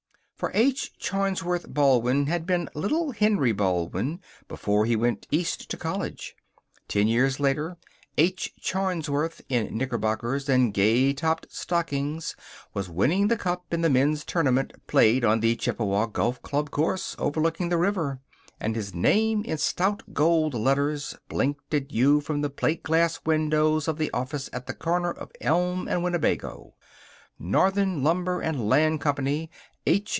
For H. Charnsworth Baldwin had been little Henry Baldwin before he went East to college. Ten years later H. Charnsworth, in knickerbockers and gay topped stockings, was winning the cup in the men's tournament played on the Chippewa golf club course, overlooking the river. And his name, in stout gold letters, blinked at you from the plate glass windows of the office at the corner of Elm and Winnebago: NORTHERN LUMBER AND LAND COMPANY H.